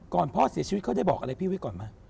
พ่อเสียชีวิตเขาได้บอกอะไรพี่ไว้ก่อนไหม